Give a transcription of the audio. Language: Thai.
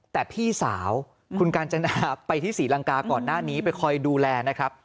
แต่พี่สาวคุณกาญจนาไปที่ศรีลังกาก่อนหน้านี้ไปคอยดูแลนะครับ